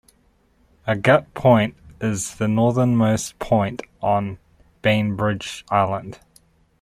Agate Point is the northernmost point on Bainbridge Island.